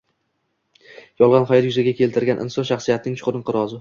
“Yolg‘on hayot” yuzaga keltirgan inson shaxsiyatining chuqur inqirozi